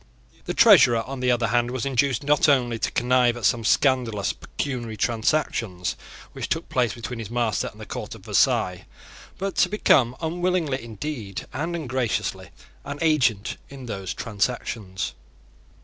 The Treasurer, on the other hand, was induced not only to connive at some scandalous pecuniary transactions which took place between his master and the court of Versailles, but to become, unwillingly indeed and ungraciously, an agent in those transactions.